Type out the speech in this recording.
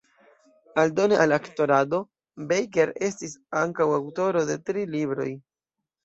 Aldone al aktorado, Baker estis ankaŭ aŭtoro de tri libroj.